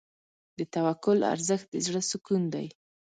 د توکل ارزښت د زړه سکون دی.